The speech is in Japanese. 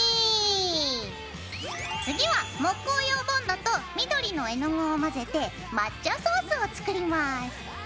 次は木工用ボンドと緑の絵の具を混ぜて抹茶ソースを作ります。